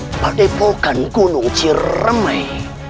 kepada epokan gunung ciremai